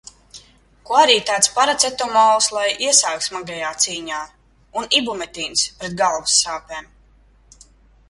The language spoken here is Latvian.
Ko arī tāds paraceptomols lai iesāk smagajā cīņā? Un ibumetīns pret galvas sāpēm?